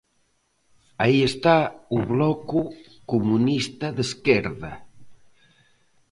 Aí está o Bloco Comunista de Esquerda.